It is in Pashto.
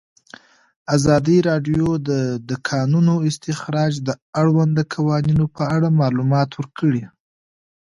ازادي راډیو د د کانونو استخراج د اړونده قوانینو په اړه معلومات ورکړي.